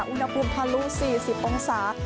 อุณหภูมิทะลุ๔๐องศา